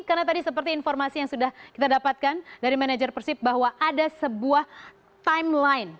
karena tadi seperti informasi yang sudah kita dapatkan dari manajer persib bahwa ada sebuah timeline